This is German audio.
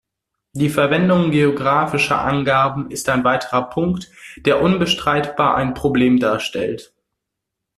Die Verwendung geografischer Angaben ist ein weiterer Punkt, der unbestreitbar ein Problem darstellt.